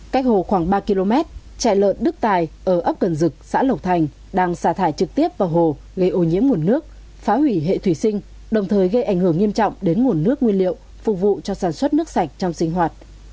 cách hồ khoảng ba km trại lợn đức tài ở ấp cần dực xã lộc thành đang xả thải trực tiếp vào hồ gây ô nhiễm nguồn nước phá hủy hệ thủy sinh đồng thời gây ảnh hưởng nghiêm trọng đến nguồn nước nguyên liệu phục vụ cho sản xuất nước sạch trong sinh hoạt